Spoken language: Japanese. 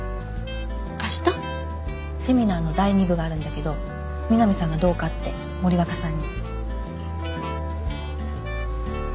セミナーの第２部があるんだけど三並さんがどうかって森若さんに。